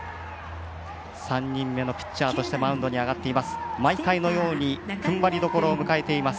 ３人目のピッチャーとしてマウンドに上がっています